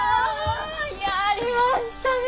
やりましたね！